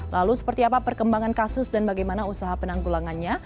lalu seperti apa perkembangan kasus dan bagaimana usaha penanggulangannya